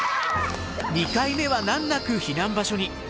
２回目は難なく避難場所に。